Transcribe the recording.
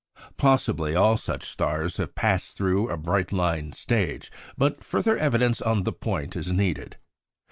Possibly all such stars have passed through a bright line stage; but further evidence on the point is needed.